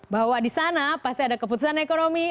bahwa di sana pasti ada keputusan ekonomi